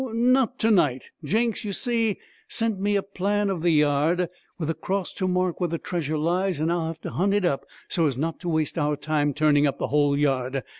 Not to night. Jenks, you see, sent me a plan of the yard, with a cross to mark where the treasure lies, and I'll have to hunt it up so as not to waste our time turning up the whole yard.